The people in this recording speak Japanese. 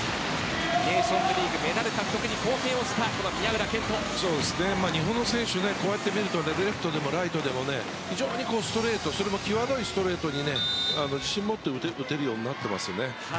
ネーションズリーグメダル獲得に貢献した日本の選手、こうやって見るとレフトでもライトでも非常にストレートそれも際どいストレートに自信を持って打てるようになっていますね。